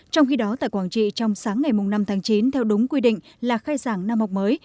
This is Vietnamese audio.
trong khi đó tại quảng trị trong sáng ngày năm tháng chín theo đúng quy định là khai giảng năm học mới